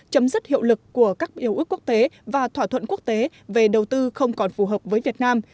chấm dứt hiệu lực của các điều ước quốc tế và thỏa thuận quốc tế về đầu tư không còn phù hợp với việt nam